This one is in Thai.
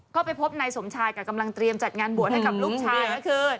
ก็ไปพบนายสมชายกับกำลังเตรียมจัดงานบวชให้กับลูกชายเมื่อคืน